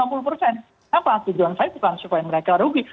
kenapa tujuan saya bukan supaya mereka rugi